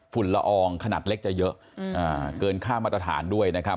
ละอองขนาดเล็กจะเยอะเกินค่ามาตรฐานด้วยนะครับ